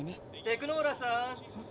テクノーラさん！